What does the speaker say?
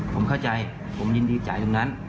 ผมเข้าใจผมยินดีจ่ายตรงนั้น